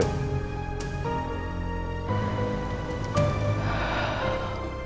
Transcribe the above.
terima kasih pak